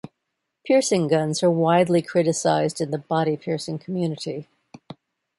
Piercing guns are widely criticized in the body piercing community.